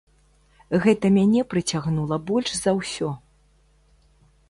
Гэта мяне прыцягнула больш за ўсё.